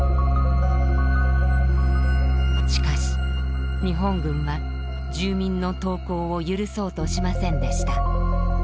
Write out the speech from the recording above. しかし日本軍は住民の投降を許そうとしませんでした。